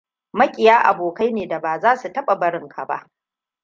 Maƙiya abokai ne da ba za su taɓa barinka ba.